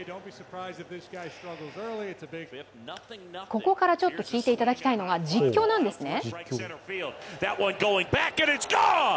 ここからちょっと聞いていただきたいのが、実況なんですね。